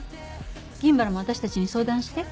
銀原も私たちに相談して。